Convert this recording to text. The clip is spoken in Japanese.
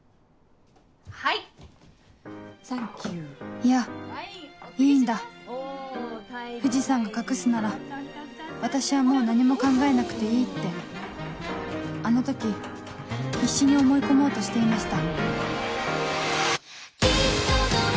いやいいんだ藤さんが隠すなら私はもう何も考えなくていいってあの時必死に思い込もうとしていました